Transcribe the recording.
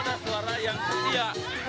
suara suara yang setia